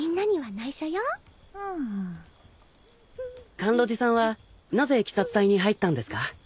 甘露寺さんはなぜ鬼殺隊に入ったんですか？